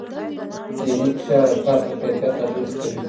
ذهني فشار د کار پر کیفیت اغېز کوي.